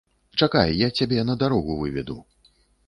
Чакай, я цябе на дарогу выведу.